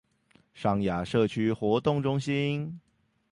上雅社區活動中心